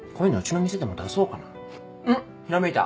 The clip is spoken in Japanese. ひらめいた！